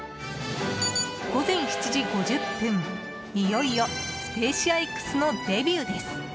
午前７時５０分、いよいよ「スペーシアＸ」のデビューです。